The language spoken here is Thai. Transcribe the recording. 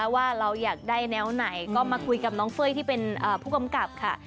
ว่าเราอยากได้แนวไหนก็มาคุยกับน้องเฟ้ยที่เป็นผู้กำกับค่ะ